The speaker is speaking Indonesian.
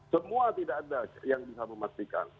semua tidak ada yang bisa memastikan